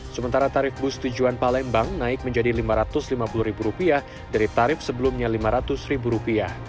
sementara tarif bus tujuan palembang naik menjadi rp lima ratus lima puluh dari tarif sebelumnya rp lima ratus